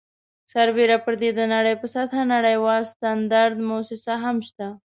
سربیره پر دې د نړۍ په سطحه نړیواله سټنډرډ مؤسسه هم شته.